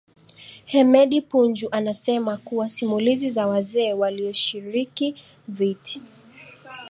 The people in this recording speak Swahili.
Hemedi Kapunju anasema kuwa simulizi za wazee walioshiriki vit